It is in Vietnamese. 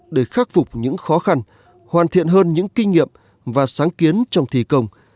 để khắc phục những khó khăn hoàn thiện hơn những kinh nghiệm và sáng kiến trong thi công